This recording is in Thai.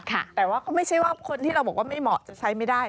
แต่ว่าก็ไม่ใช่ว่าคนที่เราบอกว่าไม่เหมาะจะใช้ไม่ได้